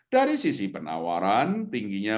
dari sisi penawaran tingginya